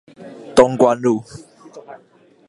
東關路